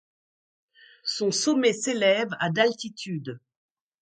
Son sommet s'élève à d'altitude.